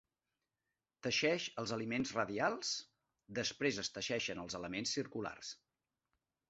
Teixeix els elements radials, després es teixeixen els elements circulars.